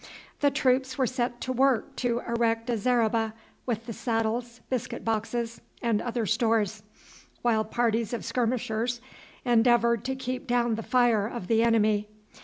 The troops were set to work to erect a zareba with the saddles, biscuit boxes, and other stores, while parties of skirmishers endeavoured to keep down the fire of the enemy.